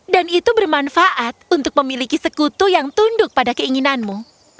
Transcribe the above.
dan itu bermanfaat untuk memiliki sekutu yang tunduk pada keinginanmu